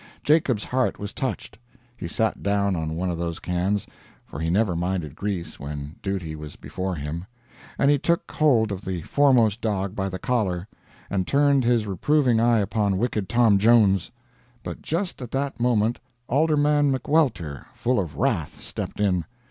Jacob's heart was touched. He sat down on one of those cans (for he never minded grease when duty was before him), and he took hold of the foremost dog by the collar, and turned his reproving eye upon wicked Tom Jones. But just at that moment Alderman McWelter, full of wrath, stepped in.